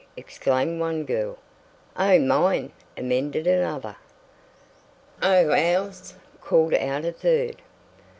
exclaimed one girl. "Oh, mine!" amended another. "Oh, ours!" called out a third.